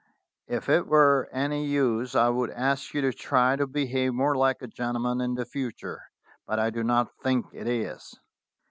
If it were any use I would ask you to try to behave more like a gentleman in the future, but I do not think it is.